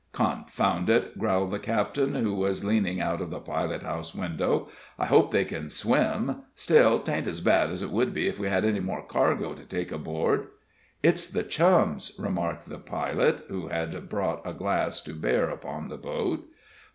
"Confound it!" growled the captain, who was leaning out of the pilot house window. "I hope they can swim, still, 'tain't as bad as it would be if we had any more cargo to take aboard." "It's the Chums," remarked the pilot, who had brought a glass to bear upon the boat.